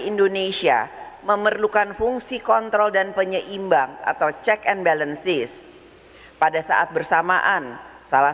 indonesia memerlukan fungsi kontrol dan penyeimbang atau check and balances pada saat bersamaan salah